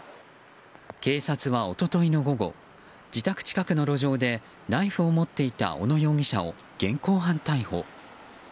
警察は、一昨日の午後自宅近くの路上でナイフを持っていた小野容疑者を現行犯逮捕。